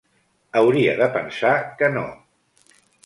Hauria de pensar que no!